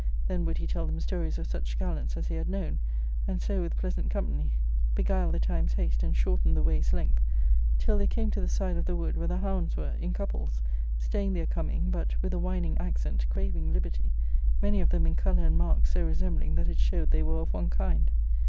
Then would he tell them stories of such gallants as he had known, and so, with pleasant company, beguiled the time's haste and shortened the way's length, till they came to the side of the wood where the hounds were, in. couples, staying their coming, but, with a whining accent, craving liberty, many of them in colour and marks so resem bling that it showed they were of one kind.